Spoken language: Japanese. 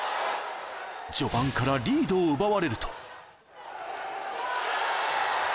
序盤からリードを奪われると。